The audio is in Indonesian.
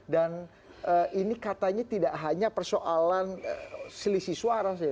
dan ini katanya tidak hanya persoalan selisih suara saja